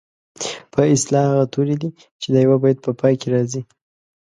په اصطلاح هغه توري دي چې د یوه بیت په پای کې راځي.